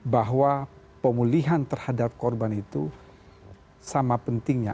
bahwa pemulihan terhadap korban itu sama pentingnya